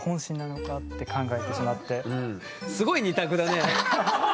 あれはすごい２択だね。